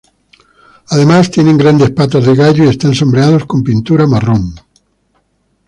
Además tienen grandes patas de gallo y están sombreados con pintura marrón.